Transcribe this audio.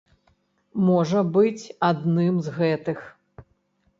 Можа быць, адным з гэтых.